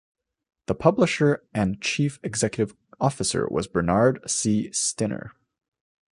The publisher and chief executive officer was Bernard C. Stinner.